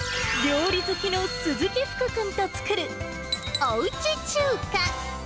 料理好きの鈴木福君と作るおうち中華。